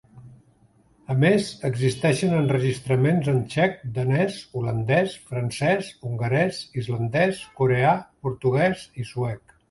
A més existeixen enregistraments en txec, danès, holandès, francès, hongarès, islandès, coreà, portuguès i suec.